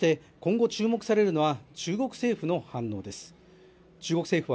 そして今後注目されるのは、中国政府の反応です。